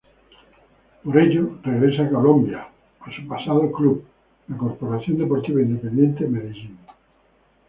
Por ello, regresa a Colombia, a su pasado club, el Corporación Deportiva Independiente Medellín.